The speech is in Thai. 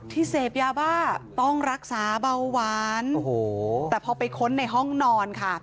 เสพยาบ้าต้องรักษาเบาหวานแต่พอไปค้นในห้องนอนค่ะ